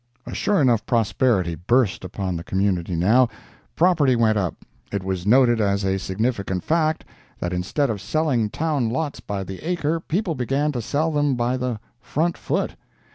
A sure enough prosperity burst upon the community, now. Property went up. It was noted as a significant fact that instead of selling town lots by the acre people began to sell them by the front foot.